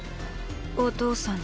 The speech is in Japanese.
お父さんに。